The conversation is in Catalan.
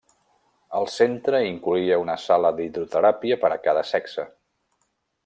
El centre incloïa una sala d'hidroteràpia per a cada sexe.